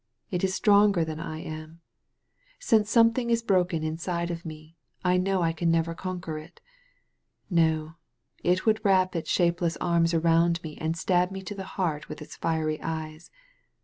It is stronger than I am. Since something is broken inside of me, I know I can never conquer it. No, it would wrap its shape less arms around me and stab me to the heart with its fiery ^es.